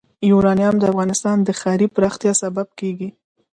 یورانیم د افغانستان د ښاري پراختیا سبب کېږي.